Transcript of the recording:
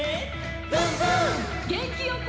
げんきよく！